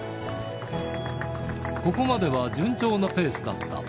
ここまでは順調なペースだった。